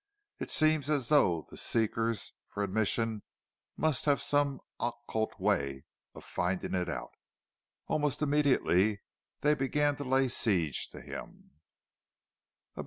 It seemed as though the seekers for admission must have had some occult way of finding it out; almost immediately they began to lay siege to him.